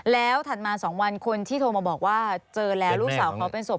แล้วถัดมา๒วันคนที่โทรมาบอกว่าเจอแล้วลูกสาวเขาเป็นศพ